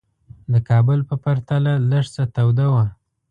د کابل په پرتله لږ څه توده وه.